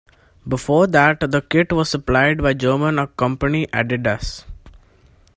Before that the kit were supplied by German company Adidas.